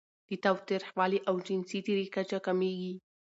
د تاوتریخوالي او جنسي تیري کچه کمېږي.